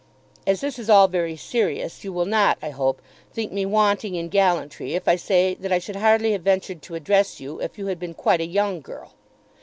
As this is all very serious you will not, I hope, think me wanting in gallantry if I say that I should hardly have ventured to address you if you had been quite a young girl.